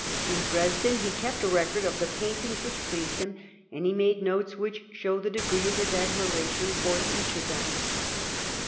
In Dresden he kept a record of the paintings which pleased him, and he made notes which show the degree of his admiration for each of them.